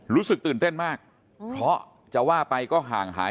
รู้สึกตื่นเต้นมากเพราะจะว่าไปก็ห่างหาย